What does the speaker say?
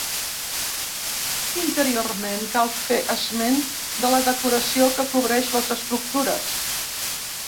Interiorment cal fer esment de la decoració que cobreix les estructures.